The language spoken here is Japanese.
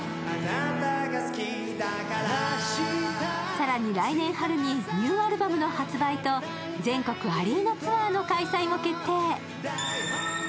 更に来年春にニューアルバムの発売と全国アリーナツアーの開催も決定。